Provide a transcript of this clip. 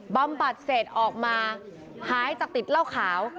บำบัดเสร็จออกมาหายจากติดเหล้าขาว